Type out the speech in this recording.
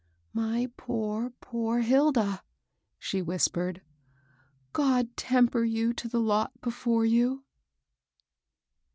" My poor, poor Hilda !" she whispered. " God temper you to the lot before you